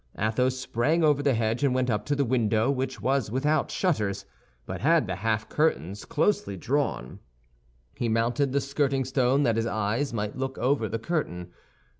Athos sprang over the hedge and went up to the window, which was without shutters, but had the half curtains closely drawn. He mounted the skirting stone that his eyes might look over the curtain.